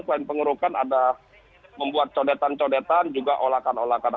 selain pengurukan ada membuat codetan codetan juga olakan olakan